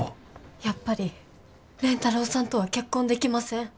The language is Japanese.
やっぱり蓮太郎さんとは結婚できません。